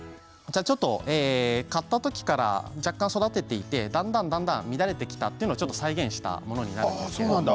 買った時から若干育てていてだんだん、だんだん乱れてきたというのを再現したものになるんです。